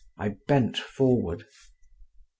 I bent forward….